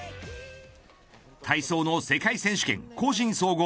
体操の世界選手権、個人総合。